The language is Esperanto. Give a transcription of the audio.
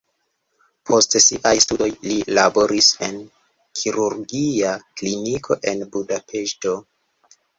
Post siaj studoj li laboris en kirurgia kliniko en Budapeŝto.